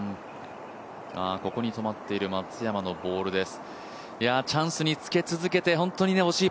ここに止まっている松山のボールです。